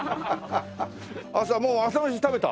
朝もう朝飯食べた？